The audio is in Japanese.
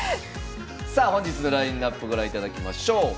さあ本日のラインナップご覧いただきましょう。